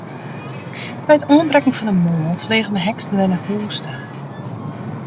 By it oanbrekken fan de moarn fleagen de heksen wer nei hús ta.